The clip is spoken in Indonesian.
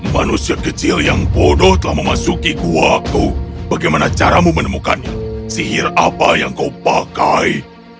manusia kecil yang bodoh telah memasuki gua bagaimana caramu menemukannya sihir apa yang kau pakai